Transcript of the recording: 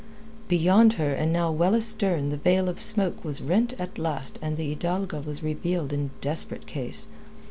Beyond her and now well astern the veil of smoke was rent at last and the Hidalga was revealed in desperate case.